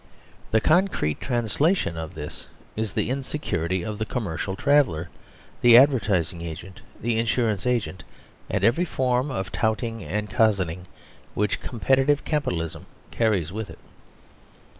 The con crete translation of this is the insecurity of the com mercial traveller, the advertising agent, the insurance agent, and every form of touting and cozening which 90 STATE GROWS UNSTABLE competitive Capitalism carries with it.